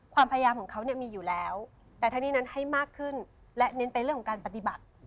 ความพยายามของเขาเนี่ยมีอยู่แล้วแต่ทั้งนี้นั้นให้มากขึ้นและเน้นไปเรื่องของการปฏิบัติ